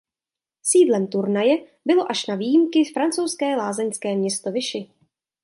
Sídlem turnaje bylo až na výjimky francouzské lázeňské město Vichy.